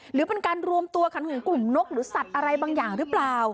หรือเป็นการรวมตัวกันของกลุ่มนกหรือสัตว์อะไรบางอย่างหรือเปล่า